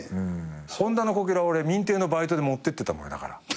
本多のこけら俺亭のバイトで持ってってたもんだから。